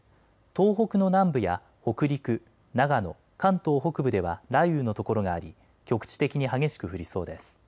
東北の南部や北陸、長野、関東北部では雷雨の所があり局地的に激しく降りそうです。